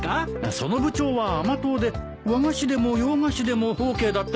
その部長は甘党で和菓子でも洋菓子でもＯＫだったみたいなんだよ。